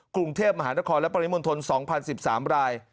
กรุงเทพฯมหานครและประตูปนิมตรทน๒๐๑๓ราย